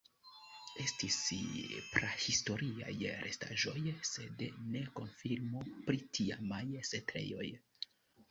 Estis prahistoriaj restaĵoj sed ne konfirmo pri tiamaj setlejoj.